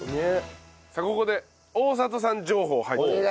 さあここで大里さん情報入ってます。